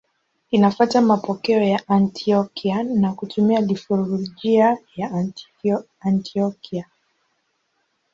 Linafuata mapokeo ya Antiokia na kutumia liturujia ya Antiokia.